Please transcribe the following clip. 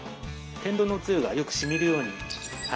天丼のつゆがよくしみるように片面だけ。